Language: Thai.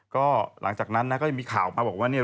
ก็หลังจากนั้นนะก็ยังมีข่าวมาบอกว่าเนี่ย